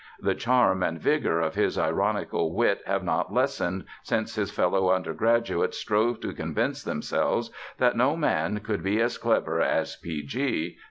The charm and vigor of his ironical wit have not lessened since his fellow undergraduates strove to convince themselves that no man could be as clever as "P. G."